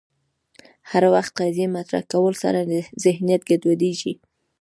هر وخت قضیې مطرح کولو سره ذهنیت ګډوډېږي